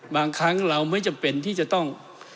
บางครั้งเราไม่จำเป็นที่จะต้อง